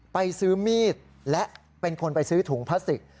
ไปซื้อมีดและเป็นคนไปซื้อถุงพลาสติก